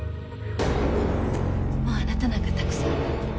もうあなたなんかたくさん。